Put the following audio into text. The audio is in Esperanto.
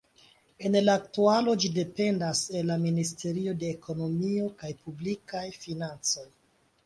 En la aktualo ĝi dependas el la Ministerio de Ekonomio kaj Publikaj Financoj.